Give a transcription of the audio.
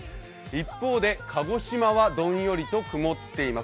一方で鹿児島はどんよりと曇っています。